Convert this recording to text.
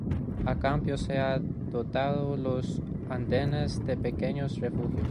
A cambio se ha dotado los andenes de pequeños refugios.